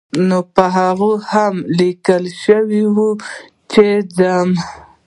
نو پر هغې هم لیکل شوي وو چې ځو.